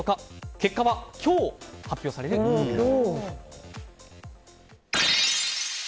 結果は今日発表される予定です。